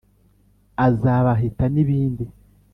azabaheta n’ibindi